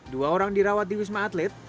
dua orang dirawat di wisma atlet